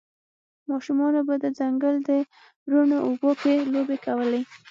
ماشومانو به د ځنګل په روڼو اوبو کې لوبې کولې